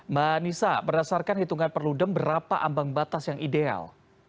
manisa berdasarkan hitungan perludem berapa ambang batas yang ideal